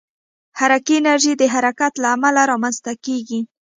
حرکي انرژي د حرکت له امله رامنځته کېږي.